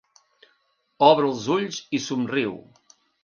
Obre els ulls i somriu.